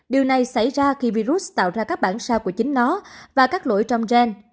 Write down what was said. điều này xảy ra khi virus tạo ra các bản sao của chính nó và các lỗi trong gen